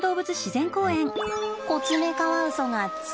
コツメカワウソがつるん！